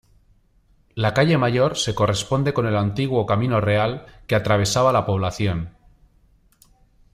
La Calle Mayor se corresponde con el antiguo Camino Real que atravesaba la población.